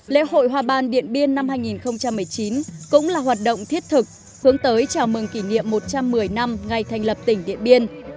lễ hội hòa ban điện biên năm hai nghìn một mươi chín cũng là hoạt động thiết thực hướng tới chào mừng kỷ niệm một trăm một mươi năm ngày thành lập tỉnh điện biên